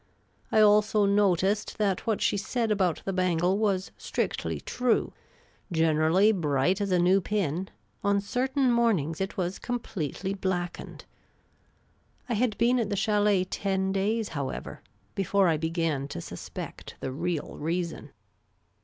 I also noticed that what she said about the bangle was strictly true ; generally bright as a new pin, on certain mornings it was completely blackened. I had been at the chdlet ten days, however, before I began to sus pect the real reason.